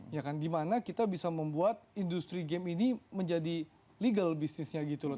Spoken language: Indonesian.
ya kan dimana kita bisa membuat industri game ini menjadi legal bisnisnya gitu loh